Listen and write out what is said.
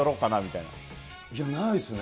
いや、ないですね。